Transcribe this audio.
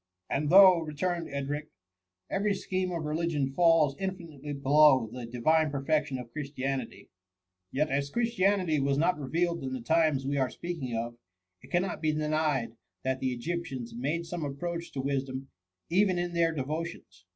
And though,'* returned Edric, " every scheme of religion falls infinitely below the divine perfection of Christianity ; yet as Chris tianity was not revealed in the times we are speaking of, it cannot be denied that the Egyp tians made some approach to wisdom even in 108 THE MUMMY. their devotions.